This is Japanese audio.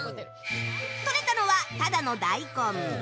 とれたのはただの大根。